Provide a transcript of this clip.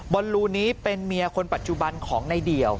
ลูนี้เป็นเมียคนปัจจุบันของในเดี่ยว